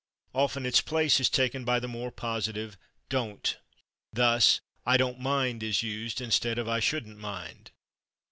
Often its place is taken by the more positive /don't/. Thus "I /don't/ mind" is used instead of "I /shouldn't/ mind."